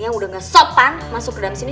yang udah gak sopan masuk ke dalam sini